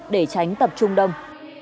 để tránh tập trung đông